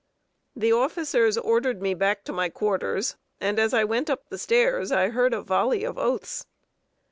The officers ordered me back to my quarters, and as I went up the stairs, I heard a volley of oaths.